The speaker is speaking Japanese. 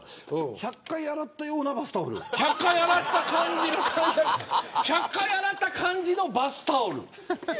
１００回洗ったような１００回洗った感じのバスタオル。